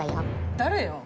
誰よ？